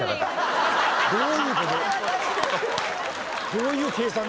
どういう計算が？